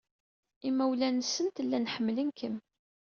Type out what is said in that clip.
Imawlan-nsent llan ḥemmlen-kem.